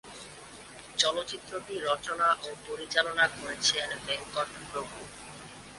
চলচ্চিত্রটি রচনা ও পরিচালনা করেছেন ভেঙ্কট প্রভু।